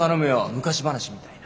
昔話みたいな。